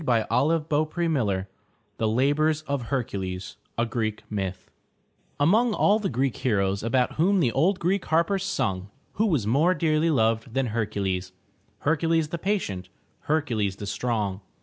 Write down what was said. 422 THE TREASURE CHEST THE LABORS OF HERCULES A Greek Myth Among all the Greek heroes about whom the old Greek harpers sung, who was more dearly loved than Her'cu les— Hercules, the patient, Hercules the strong?